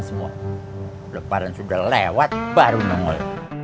sekarang sudah lewat baru nongol